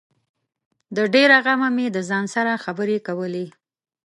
د ډېره غمه مې د ځان سره خبري کولې